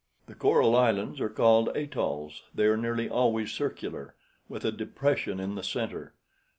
"The coral islands are called 'atolls.' They are nearly always circular, with a depression in the centre.